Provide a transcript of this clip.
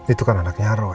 itu kan anaknya arroy